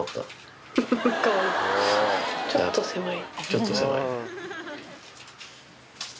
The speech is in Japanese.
ちょっと狭い。